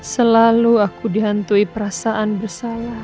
selalu aku dihantui perasaan bersalah